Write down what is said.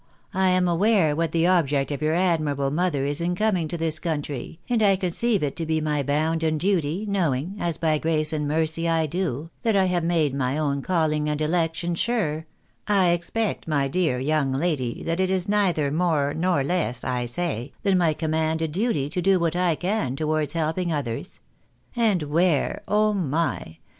I am aware what the object of your admirable mother is in coming to this country, and I conceive it to be my bounden duty, knowing, as by grace and mercy I do, that I have made my own calling and election sure — expect, my dear young lady, that it is neither more nor less, I say, than my commanded duty to do what I can towards helping others. And where — oh my